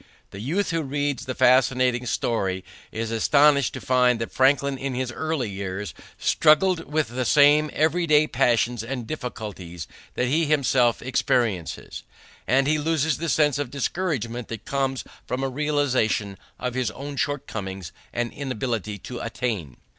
The youth who reads the fascinating story is astonished to find that Franklin in his early years struggled with the same everyday passions and difficulties that he himself experiences, and he loses the sense of discouragement that comes from a realization of his own shortcomings and inability to attain.